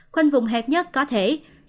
khoanh vùng hẹp nhất có thể